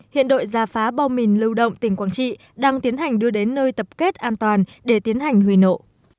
hiện đội gia phá bom mìn lưu động tỉnh quảng trị đang tiến hành đưa đến nơi tập kết an toàn để tiến hành huy nộ